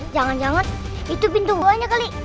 jangan jangan itu pintu gua nya kali